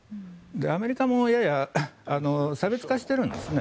アメリカもやや差別化しているんですね。